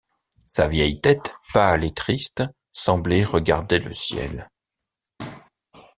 Sa vieille tête, pâle et triste, semblait regarder le ciel.